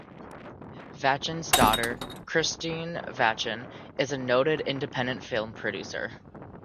Vachon's daughter, Christine Vachon, is a noted independent film producer.